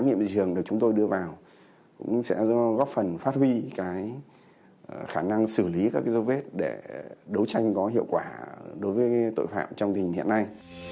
các nghiệm thị trường được chúng tôi đưa vào cũng sẽ góp phần phát huy khả năng xử lý các dấu vết để đấu tranh có hiệu quả đối với tội phạm trong tình hiện nay